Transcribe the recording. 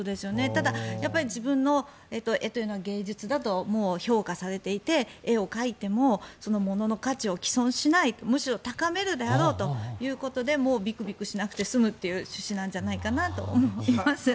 ただ、自分の絵というのは芸術だと評価されていて絵を描いてもそのものの価値を毀損しないとむしろ高めるだろうということでもうびくびくしなくて済むという趣旨なんじゃないかなと思います。